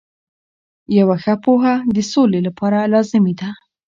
یوه ښه پوهه د سولې لپاره لازمي ده.